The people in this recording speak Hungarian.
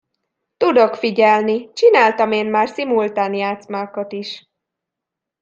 Tudok figyelni, csináltam én már szimultán játszmákat is.